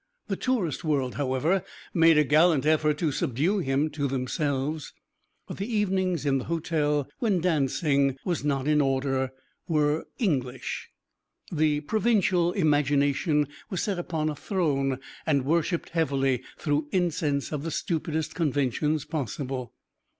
The tourist world, however, made a gallant effort to subdue him to themselves. But the evenings in the hotel, when dancing was not in order, were English. The provincial imagination was set upon a throne and worshipped heavily through incense of the stupidest conventions possible.